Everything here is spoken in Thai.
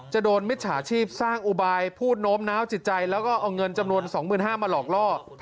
โดนมิจฉาชีพสร้างอุบายพูดโน้มน้าวจิตใจแล้วก็เอาเงินจำนวน๒๕๐๐มาหลอกล่อ